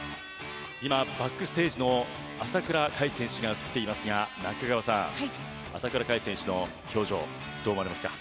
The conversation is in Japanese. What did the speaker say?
今、バックステージ朝倉海選手が映っていますが中川さん、朝倉海選手の表情どう思われますか。